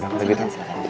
jangan lupa gitu